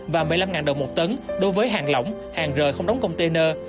và một mươi năm đồng một tấn đối với hàng lỏng hàng rời không đóng container